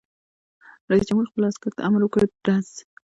رئیس جمهور خپلو عسکرو ته امر وکړ؛ ډز!